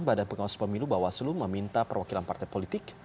badan pengawas pemilu bawaslu meminta perwakilan partai politik